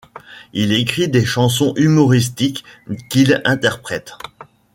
Il écrit des chansons humoristiques qu’il interprète.